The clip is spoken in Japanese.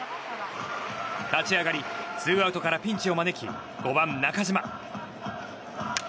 立ち上がり、ツーアウトからピンチを招き、５番の中島。